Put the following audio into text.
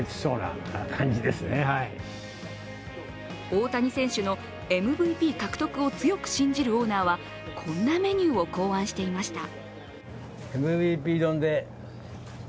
大谷選手のＭＶＰ獲得を強く信じるオーナーはこんなメニューを考案していました。